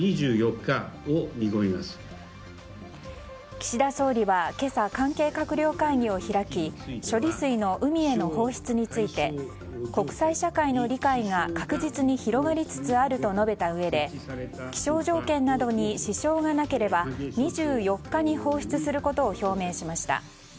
岸田総理は今朝関係閣僚会議を開き処理水の海への放出について国際社会の理解が確実に広がりつつあると述べたうえで気象条件などに支障がなければ２４日に放出することを表明しました。